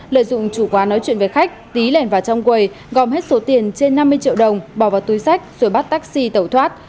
lợi dụng chủ quán nói chuyện với khách tý lèn vào trong quầy gom hết số tiền trên năm mươi triệu đồng bỏ vào túi sách rồi bắt taxi tẩu thoát